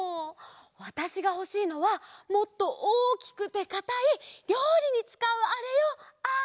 わたしがほしいのはもっとおおきくてかたいりょうりにつかうあれよあれ！